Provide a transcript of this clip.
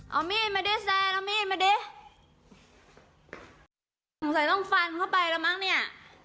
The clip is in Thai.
เอามีดมาดิแซนเอามีดมาดิสงสัยต้องฟันเข้าไปแล้วมั้งเนี่ย